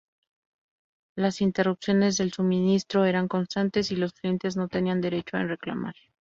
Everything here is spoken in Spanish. Las interrupciones del suministro eran constantes y los clientes no tenían derecho a reclamar.